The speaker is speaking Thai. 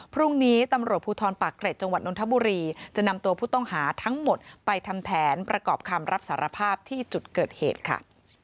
พรุ่งนี้ตำรวจภูทรปากเกร็จจังหวัดนทบุรีจะนำตัวผู้ต้องหาทั้งหมดไปทำแผนประกอบคำรับสารภาพที่จุดเกิดเหตุค่ะ